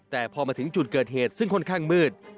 แต่พอมาถึงจุดเกิดเหตุซึ่งค่อนข้างมืด